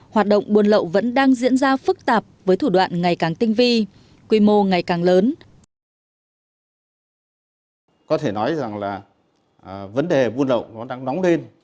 hoạt động buôn lậu vẫn đang diễn ra phức tạp với thủ đoạn ngày càng tinh vi quy mô ngày càng lớn